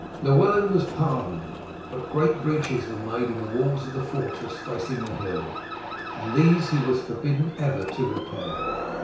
Llewellyn was pardoned, but great breaches were made in the walls of the fortress facing the hill, and these he was forbidden ever to repair.